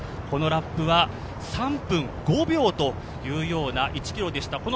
このラップは３分５秒というような１ｋｍでした。